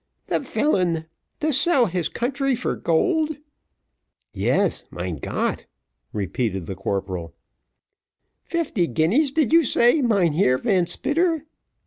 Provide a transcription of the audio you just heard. "The villain to sell his country for gold." "Yes, mein Gott!" repeated the corporal. "Fifty guineas, did you say, Mynheer Van Spitter?"